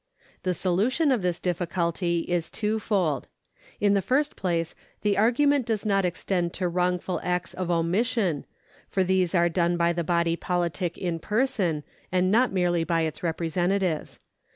The solution of this difficulty is twofold. In the first place, the argument does not extend to wrongful acts of omission, for these are done by the body politic in person, and not merely by its representatives.